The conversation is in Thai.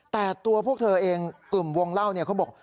แต่ตัวพวกเธอเองกลุ่มวงเล่าเนี่ยเขาบอก